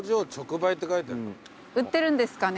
売ってるんですかね。